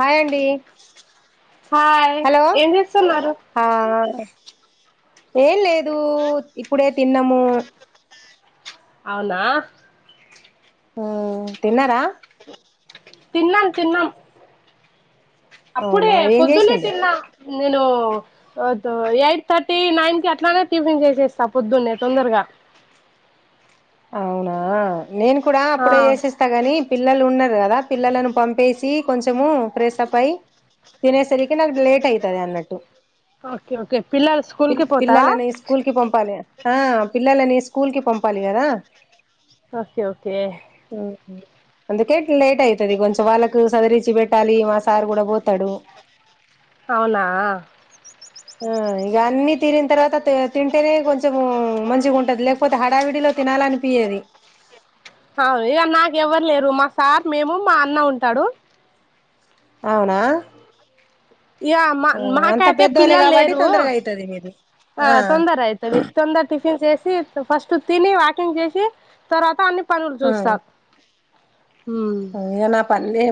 Hi అండి. Hi hello ఏం చేస్తున్నారు హా ఏం లేదు, ఇప్పుడే తిన్నము. అవునా? ఉమ్ తిన్నరా? తిన్నాం తిన్నాం, అప్పుడే అవునా ఏం పొద్దునే చేసిండు తిన్నా. నేను అతో ఎయిట్ థర్టీ నైన్ కి అట్లనే టిఫిన్ చేసేస్తా పొద్దున్నే తొందరగా. అ అవునా నేను కూడా ఆ అప్పుడే చేసేస్తా గని పిల్లలు ఉన్నారు గద. పిల్లలను పంపేసి కొంచము ప్రేసప్ పై తినేసరికి నాకు లేట్ అయితది అన్నట్టు. ఓకే ఓకే పిల్లలు స్కూల్ పిల్ కి పోతారా పిల్లలని స్కూల్ కి పంపాలి, ఆ పిల్లలని స్కూల్ కి పంపాలి కదా. ఓకే ఓకే అందుకే లేట్ అయితది కొంచెం వాళ్ళకు సదిరిచ్చి పెట్టాలి, మా సారు కూడా పోతడు. అవునా ఉమ్ ఇగ అన్నీ తీరిన తర్వాత త్ తింటేనే కొంచము మంచిగా ఉంటది, లేకపోతే హడావిడిలో తినాలనిపి యది ఆ ఇగ నాకు ఎవరు లేరు, మా సార్ మేము మా అన్న ఉంటాడు. అవునా ఇయ మా అంత మాకైతే పెద్దోళ్ళే పిల్లలు కాబట్టి లేరు. తొందరగా అయితది మీది ఆ తొందర అయితది, తొందర టిఫన్ చేస్ సి ఫస్ట్ తిని వాకింగ్ చేసి తర్వాత అన్ని పనులు చూస్తా. ఉమ్. ఇయాల పన్ లే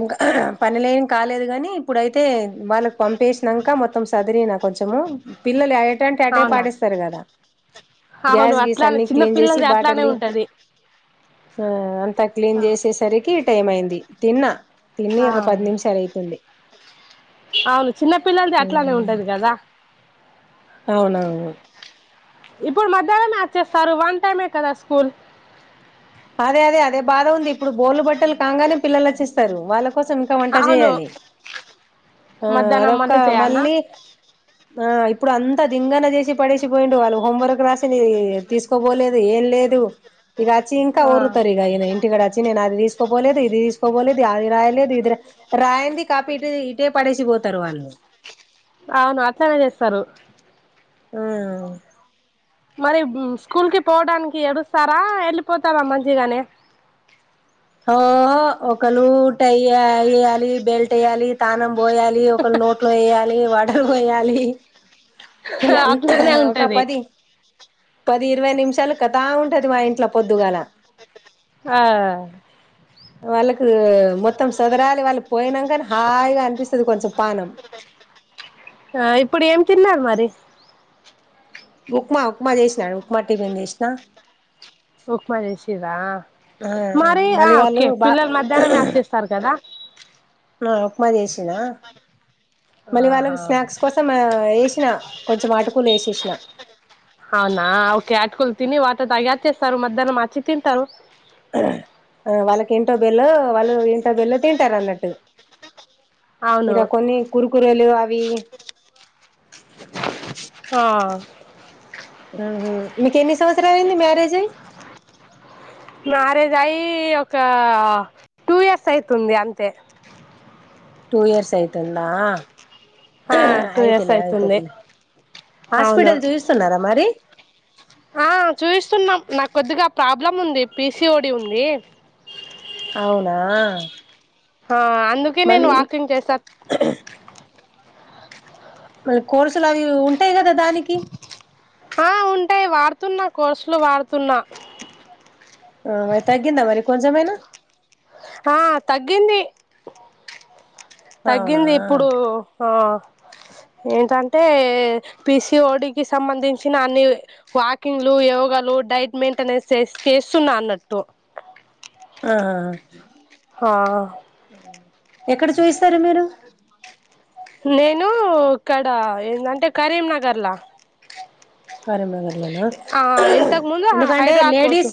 పనిలేం కాలేదు గని ఇప్పుడైతే వాళ్ళకి పంపేసినంక మొత్తం సదిరిన కొంచము, పిల్లలు అయి అంటే అటే అవునా పాడేస్తరు కదా అవును గ్యాస్ గీస్ అట్లానే అన్ని చిన్న క్లీన్ చేసి పిల్లలది అట్లానే బాటలి ఉంటది ఆ అంతా క్లీన్ చేసేసరికి టైం అయింది, తిన్నా. తిని ఆ ఒక పది నిమిషాలు అయితుంది. అవును చిన్నపిల్లలది అట్లానే ఉంటది కదా. అవునవును. ఇప్పుడు మధ్యాహ్న మే వచ్చేస్తారు వన్ టైమే కదా స్కూల్. అదే అదే అదే బాధ ఉంది, ఇప్పుడు బోలు బట్టలు కాంగనే పిల్లలు వచ్చేస్తరు వాళ్ళకు కోసం ఇంకా వంట అవును చేయాలి, ఆ మధ్యాహ్నం అదొక చేయాలనా మళ్ళీ ఆ ఇప్పుడు అంతా దింగన చేసి పడేసి పోయిండు వాళ్ళు, హోంవర్క్ రాసింది తీసుకోబోలేదు ఏం లేదు. ఇగ అచ్చి ఇంకా ఆ ఒర్రుతరు ఇగ ఇన ఇంటిగడ అచ్చి నేనది తి తీసుకోపోలేదు ఇది తీసుకోపోలేదు, అది రాయలేదు ఇది రా రాయంది కాపి ఇటు ఇటే పడేసి పోతరు వాళ్ళు. అవును అట్లనే చేస్తరు. ఆ మరి స్కూల్ కి పోవడానికి ఎడుస్తారా, ఎళ్ళిపోతారా మంచిగనే? ఓ ఓ ఒకళు టైం ఏయాలి యాలి బెల్ట్ ఎయ్యాలి తానం బోయాలి ఒకళు నోట్లో వేయాలి వాటర్ పోయాలి ఈ అన్ అట్లానే ఒక ఉంటది పది పది ఇరవై నిమిషాలు కథా ఉంటది మా ఇంట్లో పొద్దుగల ఆ వాళ్ళకూ మొత్తం సదరాలి వాళ్ళు పోయినాంకా హాయిగా అనిపిస్తది కొంచెం పానం ఆ ఇప్పుడు ఏం తిన్నారు మరి ఉప్మా ఉప్మా జెసిన ఉప్మా టిఫిన్ జేషిన ఉప్మా చేసిర్రా ఆ మరి ఆ మళ్ళీ వాళ్ళు ఓకే బా పిల్లల్ మధ్యానమే అచ్చేస్తారు కదా నొ ఉప్మా చేసిన మళ్ళీ వాళ్ళ ఆహా స్నాక్స్ కోసం మ ఇస్ [unintelligible] కొంచెం ఆటుకులు ఏసేషిన అవునా ఓకే ఆటుకులు తిని వాటార్ తాగి ఆచేస్తారు మధ్యాహ్నం అచి తింటారు ఆ వాళ్ళకి ఏంటో బెల్లో వాళ్ళు ఏంటో బెల్లో తింటారు అన్నట్టు అవును ఇదో కొన్ని కురుకురేలు అవి ఆ మీకు ఎన్ని సంవత్సరాలు అయింది మ్యారేజ్ అయ్ మ్యారేజ్ అయ్ ఒక టూ ఇయర్స్ అయితుంది అంతే టూ యర్స్ అయితుందా ఆ టూ ఇయర్స్ అయితదిలే అయితుంది అయితదిలే అవును హాస్పిటల్ చూయిస్తున్నారా మరి ఆ చూయిస్తున్నాం నాకు కొద్దిగా ప్రాబ్లం ఉంది పీసిఓడి ఉంది అవునా హా అందుకే నేను మళ్ళీ వాకింగ్ చేసా ఇప్పుడు కోర్సులు అవి ఉంటాయి కదా దానికి హొ ఉంటాయ్ వాడుతున్నా కోర్సులు వాడుతున్నా ఆ మరి తగ్గిందా మరి కొంచమైనా ఆ తగ్గింది అవునా తగ్గింది ఇప్పుడు హా ఏంటం టే పిసిఓడికిి సంబంధించిన అన్ని వాకింగ్ లు యోగాలు డైట్ మెయింటెనెన్స్ చేస్ చేస్తున్నా అన్నట్టు ఆహహ హా ఎక్కడ చూయిస్తారు మీరు నేను ఇక్కడ ఏందంటే కరీంనగర్ లా కరీంనగర్ లోనా ఇంతకు ముందు ఎందుకంటే హైదరాబాద్ పోతు లేడీస్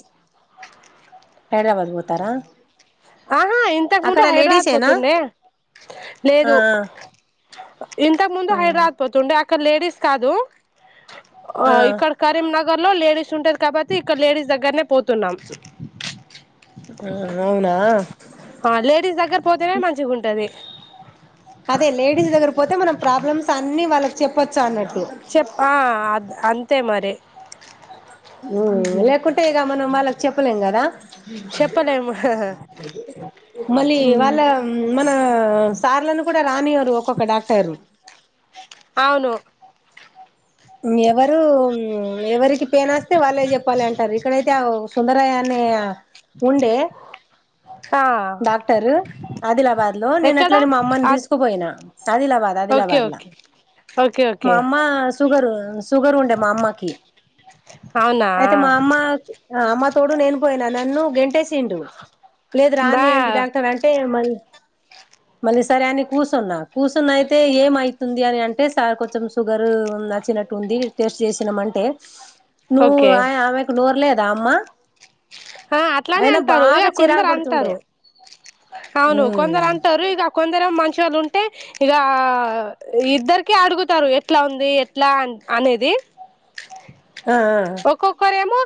హైదరాబాద్ బొతారా ఆహా ఇంతకు ముందు హైడ్రాద్ పోతుండే ఆ లేదు ఇంతకు ముందు ఆ హైద్రాద్ పోతుండే అక్కడ లేడీస్ కాదు ఆ ఇక్కడ కరీంనర్ నగర్ లో లేడీస్ ఉంటది కాబట్టి ఇక్క లేడీస్ దగ్గరనే పోతున్నాం ఉ అవునా హ లేడీస్ దగ్గర పోతేనే మంచిగుంటది అదే లేడీస్ దగ్గర పోతే మనం ప్రాబ్లమ్స్ అన్ని వాళ్ళకి చెప్పచ్చ అన్న చెప్ ఆ అంతే మరి లేకుంటే ఇగ మనం వాళ్ళకి చెప్పలేం గదా చెప్పలేము మళ్ళీ వాళ్ళ మ నొ సార్లను కూడా రానియరు ఒక్కొక్క డాక్టరు అవును ఎవరు ఎవరికి పేనొస్తే వాళ్ళే జెప్పాలి అంటారు ఇక్కడైతే అవ్ సుందరయ్య అని ఉండే ఆ డాక్టరు ఆదిలాబాద్ లో నేను ఎక్కడ అట్లనే మా అమ్మని అది తీసుకుపోయినా ఆదిలాబాద్ ఓకే ఆదిలాబాద్ లో ఓకే ఓకే మా ఓకే అమ్మ షుగర్ షుగర్ ఉండే మా అమ్మకి అవునా అయితే మా అమ్మ అమ్మ తోడు నేను పోయినా నన్ను గంటేసిండు లేద రాని బా అడి డాక్టర్ అంటే మళ్ళీ సరే అని కూర్చన్నా కూ అయితే ఏమవుతుంది అని అంట అంటే సార్ కొంచెం షుగర్ నచ్చినట్టు ఉంది టేస్ట్ చేసినాం అంటే నూ ఓకే ఆ ఆమెకు నూరు లేదా అమ్మా ఆ అట్లానే అంటారు ఇక కొందరు పడుతుండే అంటారు అవును ఉమ్ కొందరు అంటారు ఇక కొందరు మంచి వాళ్ళు ఉంటే ఇక ఇద్దరికి అడుగుతారు ఎట్లా ఉంది ఎట్లా అ అనేది ఆ ఆ ఒక్కొక్కరేమో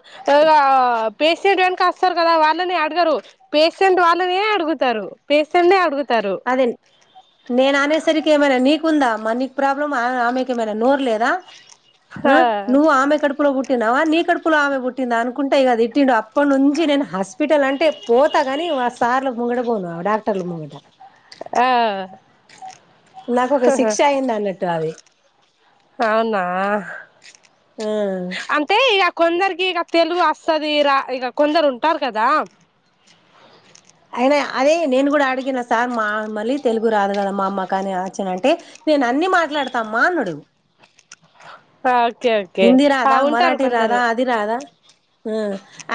పంట్ వెక వస్తారు కదా వాళ్ళని అడగరు పేషెంట్ వాళ్ళనే అడుగుతారు పేషెంట్ అడుగుతారు అదే నేను అనేసరికి ఏమైనా నీకుందా మ నీ ప్రాబ్లం ఆమెకి మే నోర్ లేదు ఆ నువవు ఆమె కడుపులో బుట్టి నవా నీ కడుపులో ఆమె బుట్ ట్టింద అనుకుంటే ఇక తిట్టిడు అప్పటినుంచి నేను హాస్పిటల్ అంటే పోతాగాని ఆ సార్ ముంగడిపోను డాక్టర్లు ముట ఆ నాకు ఒక శిక్ష అయిది అన్నట్టు అది అవునా ఆ అంటే ఇక కొందరికి ఇక తెలుగు వస్తది రా ఇక కొందరు ఉంటారు కదా అయినా అదే నేను కూడా అడిగిన సార్ మా మళ్ళీ తెలుగు రాదు కదా మా అమ్మ కాని ఆచ్చన అంటే నేను అన్ని మాట్లాడతా అమ్మా అ నుడు ఓకే ఓకే హిందీ ఆ రాదా ఉంటారు మరాఠీ రాదా కొందరు అది రాదా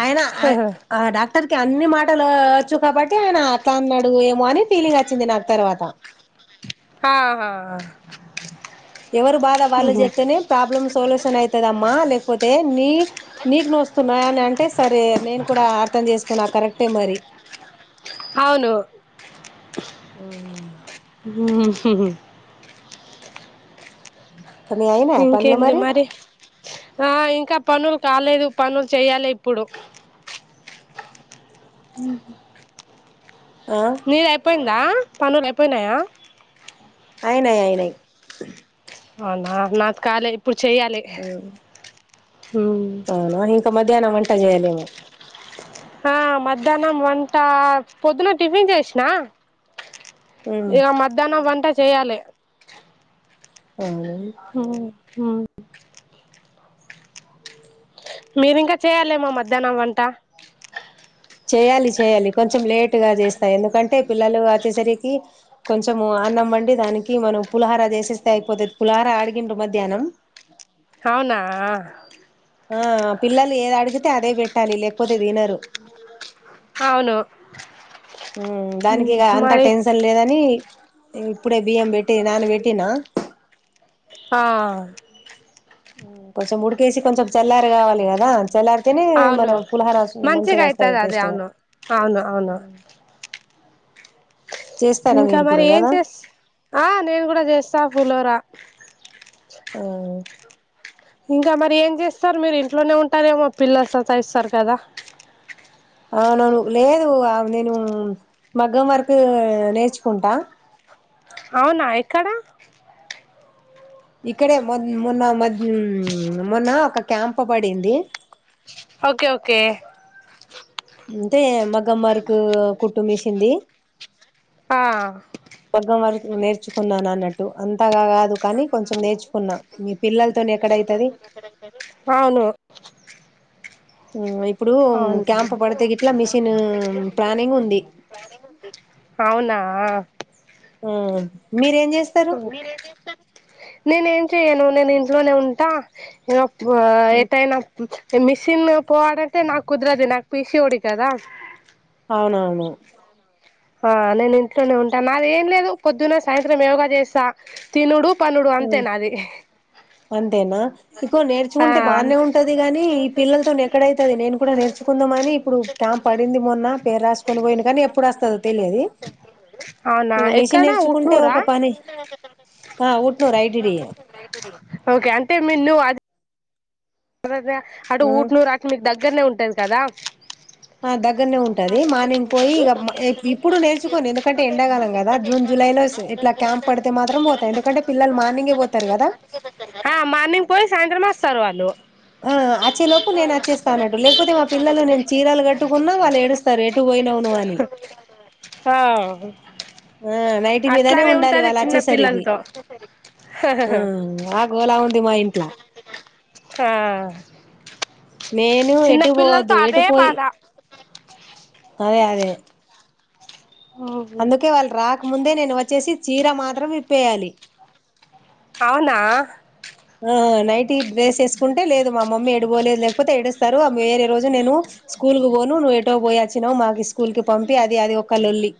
ఆయన ఆ డాక్టర్కి అన్ని మాటలు చ్చు కాబట్టి ఆయన అత అన్నాడు ఏమో అని ఫీలింగ్ వచ్చింది నాకు తర్వాత అహా ఎవరు బాధ వాళ్ళు చెప్తేనే ప్రాబ్లమ్ సొల్యూషన్ అవుతుదమ్మా లేకపోతే నీ నీకు ను వస్తున్నాని అంటే సరే నేను కూడా అర్థం చేసుకున్నా కరెక్ట్ అంతే మరి అవును హమ్మ్ మీ అయినా పనులు ఇంకేంది మరి ఆ ఇంకా పనులు కాలేదు పనులు చేయాలి ఇప్పుడు ఉమ్ హు ఆ నీది అయిపోయిందా పనులు అయిపోయినాయా అయినయి అయినయి అవునా నాకు కాలే ఇప్పుడు చెయ్యాలి అవునా ఇంకా మధ్యాహ్నం వంట చేయాలేమో ఆ మధ్యాహ్నం వంట పొద్దున టిఫిన్ చేసిన ఇక మధ్యాహ్నం వంట చేయాలి అవును హమ్మ్ హా మీరింకా చేయాలేమో మధ్యాహ్నం వంట చేయ్యాలి చేయాలి కొంచెం లేటుగా చేస్తాయి ఎందుకంటే పిల్లలు వచ్చేసరికి కొంచెం అన్న మండి దానికి మనం పులహార చేసేస్తే అయిపోతుంది పులహార అడిగిండు మధ్యాహ్నం అవునా ఆ పిల్లలు ఏది అడిగితే అదే పెట్టాలి లేకపోతే తినరు అవును హమ్ దానికి ఇక అంత మరి టెన్షన్ లేదని ఇప్పుడే బియ్యం పెట్టి నాను పెట్టినా ఆ కొంచెం ఉడికేసి కొంచెం చెల్లారి కావాలి కదా చెల్లారి తనే మన అవును పులిహోర మంచిగా వస్తాయి అయితది అది టేస్ట్ గా అవును అవును అవును చేస్తారా ఇంకా మీరు మరి కూడా ఏం కదా చేస్ ఆ నేను కూడా చేస్తా పులిహోర ఆ హ్ ఇంకా మరి ఏం చేస్తారు మీరు ఇంట్లోనే ఉంటారేమో పిల్లల సతా ఇస్తారు కదా అవునవును లేదు నేను మగ్గం వర్క్ ఉ నేర్చుకుంటా అవునా ఎక్కడ ఇక్కడే మొన్న మొన్న ఒక క్యాంప్ పడింది ఓకే ఓకే అంతే మగ్గం వర్క్ కుట్టుమిషింది ఆ మగ్గం వర్క్ నేర్చుకున్నాను అన్నట్టు అంతగా కాదు కానీ కొంచెం నేర్చుకున్నా పిల్లలతో అవును మ్మ్ యే ఇప్పుడు అవును క్యాంప్ పడితే గిట్లా మిషన్ ప్లానింగ్ ఉంది అవునా ఆ మీరేం చేస్తారు నేను ఏం చెయను నేను ఇంట్లోనే ఉంటా ఓ ఆ ఎటైన మిషిన్ పో అంటే నాకు కుదరదు నాకు పీసీఓడి కదా అవునవును ఆ నేను ఇంట్లోనే ఉంటాను నాది ఏం లేదు పొద్దున్న సాయంత్రం యోగా చేస్తా తినుడు పండుడు అంతే నాది ఆ నేర్చుకుంటే బాగానే ఉంటది గాని ఈ పిల్లలతో ఎక్కడైతది నేను కూడా నేర్చుకుందాం అని ఇప్పుడు క్యాంప్ పడింది మొన్న పేరు రాసుకొని పోయిండు కానీ ఎప్పుడు వస్తదో తెలియదు అవునా ఇక మిషన్ ఎక్కడ నేర్చుకుంటే ఉట్నూరా ఒక పని ఆ అవు ఓకే అంటే మీరు అది ఊరు అటు మీకు దగ్గరనే ఉంటంది కదా ఆ దగ్గరనే ఉంటది మార్నింగ్ పోయి ఇగ ఇప్పుడు నేర్చుకోను ఎందుకంటే ఎండాకాలం కదా జూన్ జులైలో ఇట్లా క్యాంప్ పడితే మాత్రం పోతా ఎందుకంటే పిల్లలు మార్నింగే పోతారు కదా ఆ మార్నింగ్ పోయి సాయంత్రం వస్తారు వాళ్ళు ఆ అచ్చేలోపు ఆ నేను వచ్చేస్తా అన్నట్టు లేకపోతే అసలైతే మా పిల్లలు నేను చీరలు కట్టుకున్నా వాళ్ళు ఛీరలు ఏడుస్తారు కట్టుకొని ఎటు పోయినవు నువ్వు అని ఆ ఆ నైట్ మీదనే అట్లానే ఉండాలి ఉంటది వాళ్ళు చిన్న వచ్చేసరికి పిల్లలతో మ్ ఆ గోలా ఉంది మా ఇంట్లా ఆ నేను ఎటు చిన్నపిల్లలతో పోవద్దు ఎటు అదే పోయి బాధ అదే అదే అందుకే వాళ్ళు రాకముందే నేను వచ్చేసి చీర మాత్రం విప్పేయాలి అవునా ఆ నైట్ డ్రెస్ వేసుకుంటే లేదు మా మమ్మీ ఎడుపోలేదు లేకపోతే ఏడుస్తారు వేరే రోజు నేను స్కూల్ పోను నువ్వు ఏటో పోయాచ్చినావ్ మాకు స్కూల్ కి పంపి అది అది ఒక లొల్లి